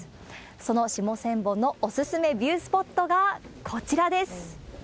その下千本のお勧めビュースポットが、こちらです。